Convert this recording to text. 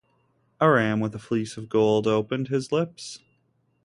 A ram with a fleece of gold opened his lips.